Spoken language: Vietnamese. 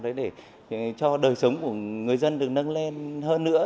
đấy để cho đời sống của người dân được nâng lên hơn nữa